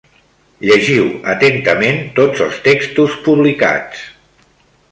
Llegiu atentament tots els textos publicats.